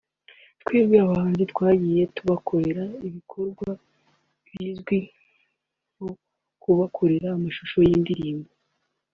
Twebwe abahanzi twagiye tubakorera ibikorwa bizwi nko kubakorera amashusho y’indirimbo